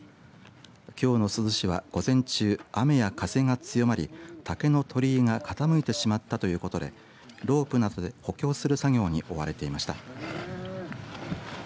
きょうの珠洲市は午前中、雨や風が強まり竹の鳥居が傾いてしまったということでロープなどで補強する作業に追われていました。